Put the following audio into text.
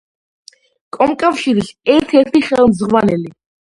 კომკავშირის ერთ-ერთი ხელმძღვანელი.